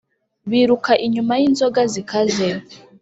biruka inyuma y’inzoga zikaze,